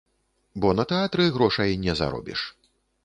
Бо на тэатры грошай не заробіш.